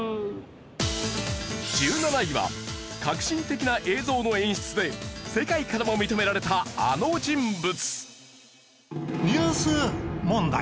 １７位は革新的な映像の演出で世界からも認められたあの人物。